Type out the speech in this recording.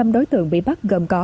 năm đối tượng bị bắt gồm có